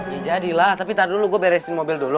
ya jadilah tapi taduh gue beresin mobil dulu